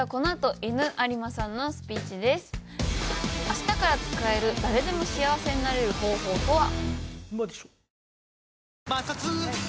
明日から使える誰でも幸せになれる方法とは？